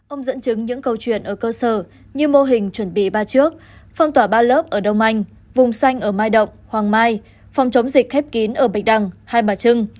ông dẫn chứng những câu chuyện ở cơ sở như mô hình chuẩn bị ba trước phong tỏa ba lớp ở đông anh vùng xanh ở mai động hoàng mai phòng chống dịch khép kín ở bạch đằng hai bà trưng